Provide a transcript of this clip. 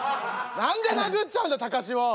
何で殴っちゃうんだタカシを。